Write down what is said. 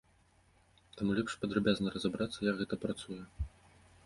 Таму лепш падрабязна разабрацца, як гэта працуе.